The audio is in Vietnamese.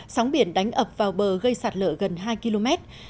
sóng biển đánh ập vào bờ gây sạt lở gần hai km